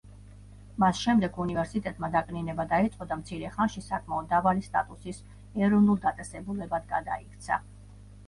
მას შემდეგ უნივერსიტეტმა დაკნინება დაიწყო და მცირე ხანში საკმაოდ დაბალი სტატუსის ეროვნულ დაწესებულებად გადაიქცა.